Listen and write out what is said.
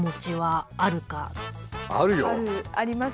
あるあります。